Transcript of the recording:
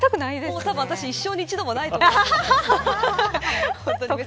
もう私、一生に一度もないと思っています。